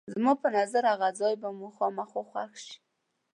زما په نظر هغه ځای به مو خامخا خوښ شي.